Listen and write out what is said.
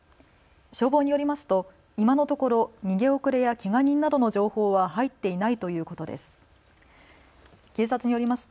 消防によりますと今のところ、逃げ遅れやけが人などの情報は入っていないということです。